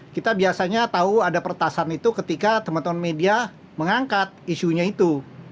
kita biasanya tahu ada pertasan itu ketika teman teman media mengangkat isunya itu